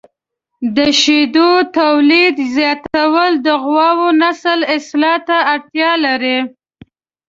د شیدو تولید زیاتول د غواوو نسل اصلاح ته اړتیا لري.